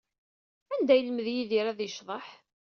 Anda ay yelmed Yidir ad yecḍeḥ?